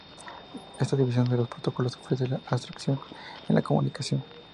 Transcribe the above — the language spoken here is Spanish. Esta división de los protocolos ofrece abstracción en la comunicación.